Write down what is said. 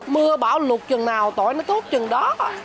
mưa bão lụt chừng nào tỏi nó tốt chừng đó